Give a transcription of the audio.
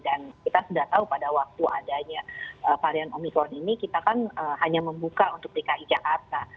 dan kita sudah tahu pada waktu adanya varian omicron ini kita kan hanya membuka untuk dki jakarta